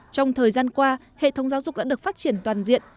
trong thời gian qua hệ thống giáo dục đã được phát triển toàn diện